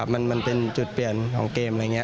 มันเป็นจุดเปลี่ยนของเกม